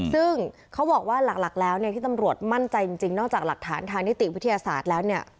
เขาบอกว่าหลักแล้วที่ตำรวจมั่นใจจริงนอกจากหลักฐานธานิติวิทยาศาสตร์แล้ว